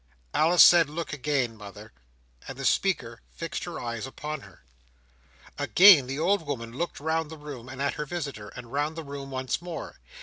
"Alice said look again, mother;" and the speaker fixed her eyes upon her. Again the old woman looked round the room, and at her visitor, and round the room once more.